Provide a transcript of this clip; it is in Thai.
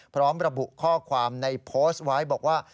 พร้อมระบุข้อความในโพสต์ไว้บอกว่า